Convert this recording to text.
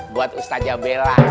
buat ustadz jamela